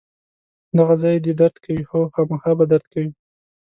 دغه ځای دې درد کوي؟ هو، خامخا به درد کوي.